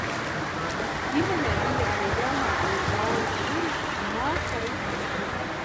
Ģimenē bija arī jaunākais brālis Juris un māsa Rute.